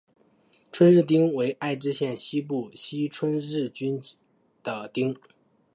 春日町为爱知县西部西春日井郡的町。